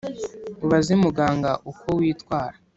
Ubaze muganga uko witwara